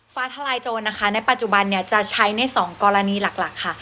ฟ้าทลายโจรนะคะในปัจจุบันเนี่ยจะใช้ใน๒กรณีหลักค่ะ